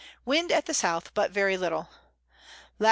Wind at South, but very little. Lat.